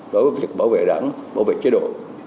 đối với việc bảo vệ đảng bảo vệ chế độ